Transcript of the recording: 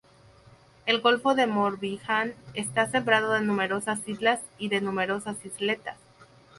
El golfo de Morbihan está sembrado de numerosas islas y de numerosas isletas.